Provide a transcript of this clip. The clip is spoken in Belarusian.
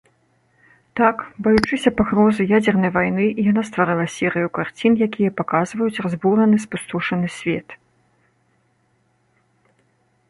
Так, баючыся пагрозы ядзернай вайны, яна стварыла серыю карцін, якія паказваюць разбураны, спустошаны свет.